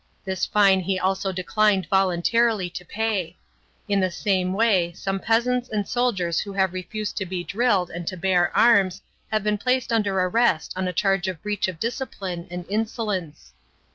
This fine he also declined voluntarily to pay. In the same way some peasants and soldiers who have refused to be drilled and to bear arms have been placed under arrest on a charge of breach of discipline and insolence.